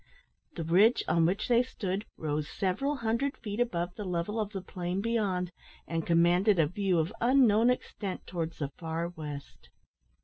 The ridge on which they stood rose several hundred feet above the level of the plain beyond, and commanded a view of unknown extent towards the far west.